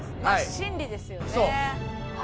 真理ですよね。